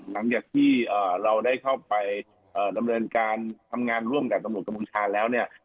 หลังจากที่เราได้เข้าไปดำเนินการทำงานร่วมกับตำรวจกัมพูชาแล้วเนี่ย